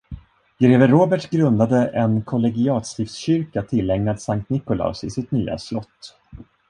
Greve Robert grundade en kollegiatstiftskyrka tillägnad Sankt Nikolaus i sitt nya slott.